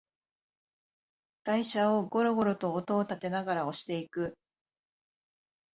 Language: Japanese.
台車をゴロゴロと音をたてながら押していく